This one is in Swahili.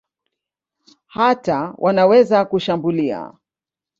Hata wanaweza kushambulia.